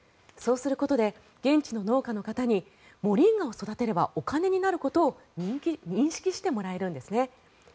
そうすることで現地の農家の方にモリンガを育てればお金になることを認識してもらえるんですね。